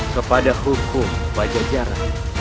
kepada hukum bajajara